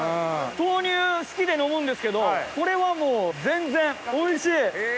豆乳好きで飲むんですけどこれはもう全然おいしい！